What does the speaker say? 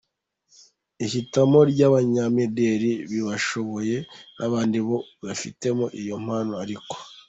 ihitamo ryabanyamideli babishoboye nabandi bose bifitemo iyo mpano ariko.